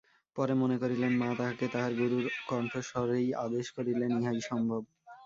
পরে মনে করিলেন, মা তাঁহাকে তাঁহার গুরুর কণ্ঠস্বরেই আদেশ করিলেন ইহাই সম্ভব।